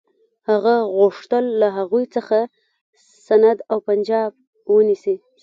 هغه غوښتل له هغوی څخه سند او پنجاب ونیسي.